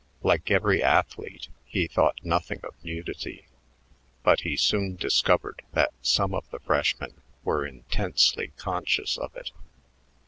Like every athlete, he thought nothing of nudity, but he soon discovered that some of the freshmen were intensely conscious of it.